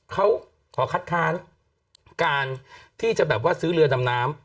เขาขอคัดครามการที่จะซื้อเรือดำน้ำ